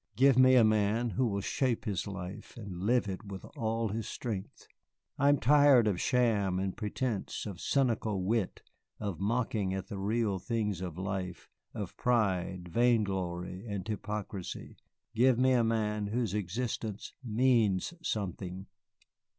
Give me a man who will shape his life and live it with all his strength. I am tired of sham and pretence, of cynical wit, of mocking at the real things of life, of pride, vain glory, and hypocrisy. Give me a man whose existence means something."